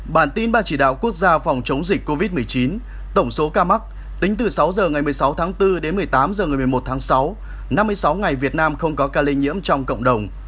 bản tin ba chỉ đạo quốc gia phòng chống dịch covid một mươi chín tổng số ca mắc tính từ sáu h ngày một mươi sáu tháng bốn đến một mươi tám h ngày một mươi một tháng sáu năm mươi sáu ngày việt nam không có ca lây nhiễm trong cộng đồng